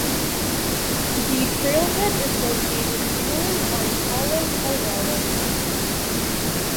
The trail head is located inland on Palo Colorado Road.